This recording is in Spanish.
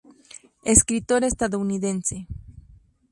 Escritor estadounidense.